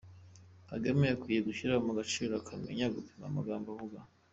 Kagame akwiye gushyira mu gaciro akamenya gupima amagambo avuga.